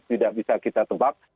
tidak bisa kita tebak